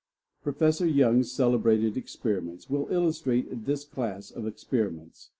Professor Yung's celebrated experiments will illustrate this class of experiments.